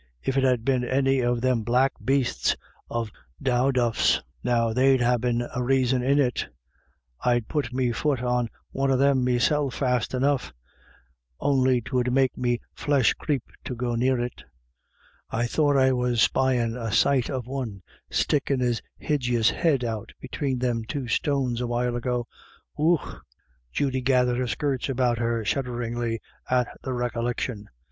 If it had been any of them bl^pk bastes of dowlduffs, now, there'd ha' been some raison in it ; I'd put me fut on one of them meself fast enough, on'y 'twould make me flesh creep to go near it, I thought I was spyin' a sight of one stickin* his hijis head out between them two stones a while ago — Ooch !" Judy gathered her skirts about her shudderingly at the recollection.